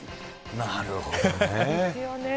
なるほどね。